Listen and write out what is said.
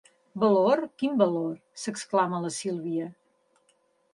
Valor, quin valor? —s'exclama la Sílvia—.